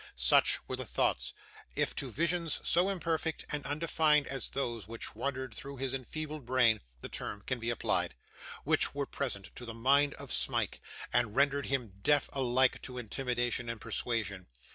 Such were the thoughts if to visions so imperfect and undefined as those which wandered through his enfeebled brain, the term can be applied which were present to the mind of Smike, and rendered him deaf alike to intimidation and persuasion.